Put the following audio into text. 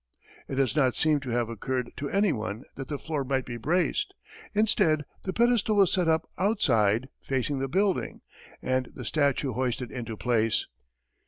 It does not seem to have occurred to anyone that the floor might be braced; instead, the pedestal was set up outside, facing the building, and the statue hoisted into place.